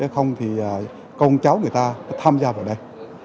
không thì con cháu người ta tham gia vào đây